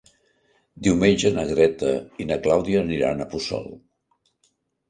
Diumenge na Greta i na Clàudia aniran a Puçol.